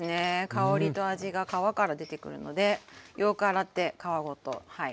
香りと味が皮から出てくるのでよく洗って皮ごと使いたいです。